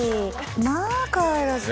まあかわいらしい。